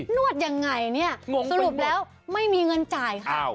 นวดยังไงเนี่ยสรุปแล้วไม่มีเงินจ่ายค่ะ